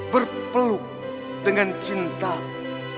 berpeluk dengan cintaku